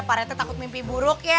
para tete takut mimpi buruk ya